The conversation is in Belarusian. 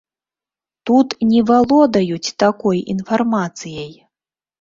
Тут не валодаюць такой інфармацыяй!